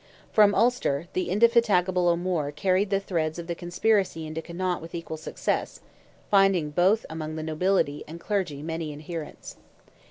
From Ulster, the indefatigable O'Moore carried the threads of the conspiracy into Connaught with equal success, finding both among the nobility and clergy many adherents.